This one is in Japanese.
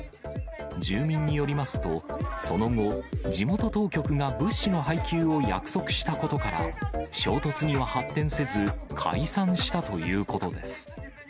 住民によりますと、その後、地元当局が物資の配給を約束したことから、衝突には発展せず、解散したということです。